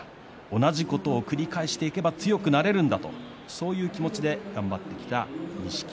同じことを繰り返していけば強くなれるんだとそういう気持ちで頑張ってきた錦木。